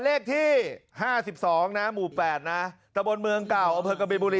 เลขที่ห้าสิบสองนะหมู่แปดนะแต่บนเมืองเก่าอเผิดกะบินบุรี